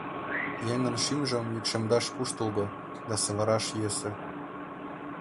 Еҥын шӱмжым йӱкшемдаш куштылго, да савыраш йӧсӧ.